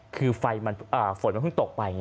คือฝนมันเพิ่งตกไปไง